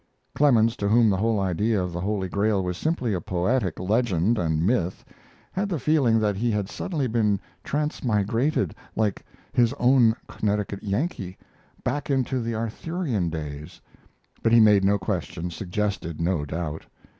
Clemens, to whom the whole idea of the Holy Grail was simply a poetic legend and myth, had the feeling that he had suddenly been transmigrated, like his own Connecticut Yankee, back into the Arthurian days; but he made no question, suggested no doubt.